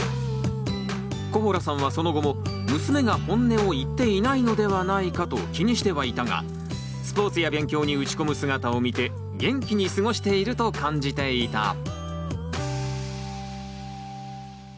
コホラさんはその後も娘が本音を言っていないのではないかと気にしてはいたがスポーツや勉強に打ち込む姿を見て元気に過ごしていると感じていた。